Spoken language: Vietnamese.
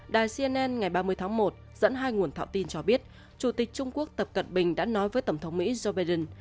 đài cnn ngày ba mươi tháng một dẫn hai nguồn thạo tin cho biết chủ tịch trung quốc tập cận bình đã nói với tổng thống mỹ joe biden